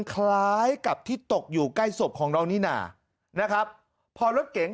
คล้ายกับที่ตกอยู่ใกล้ศพของน้องนิน่านะครับพอรถเก๋ง